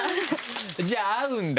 じゃあ合うんだ